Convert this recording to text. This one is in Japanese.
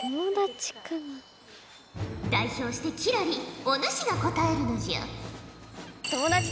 代表して輝星お主が答えるのじゃ。